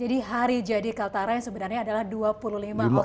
jadi hari jadi kalimantan utara yang sebenarnya adalah dua puluh lima oktober ya pak